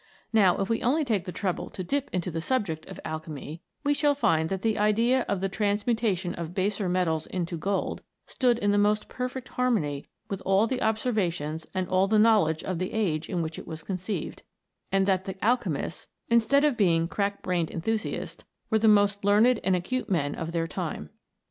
Now 76 MODERN ALCHEMY. if we only take the trouble to dip into the subject of Alchemy, we shall find that the idea of the transmutation of baser metals into gold stood in the most perfect harmony with all the observations and all the knowledge of the age in which it was conceived, and that the alchemists, instead of being crack brained enthusiasts, were the most learned and acute men of their time.